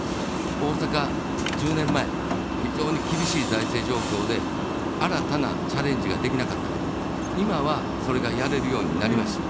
大阪１０年前、非常に厳しい財政状況で、新たなチャレンジができなかったけど、今は、それがやれるようになりました。